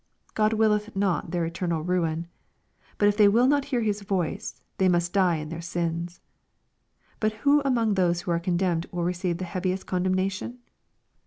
God willeth not their eternal ruin. But if they will not hear His voice, they must die in their sins. But who among those who are condemned will receive the heaviest condemnation